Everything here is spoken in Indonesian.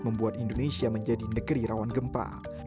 membuat indonesia menjadi negeri rawan gempa